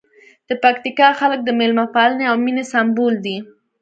د پکتیکا خلک د مېلمه پالنې او مینې سمبول دي.